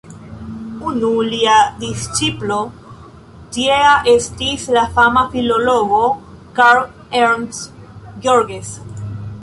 Unu lia disĉiplo tiea estis la fama filologo Karl Ernst Georges.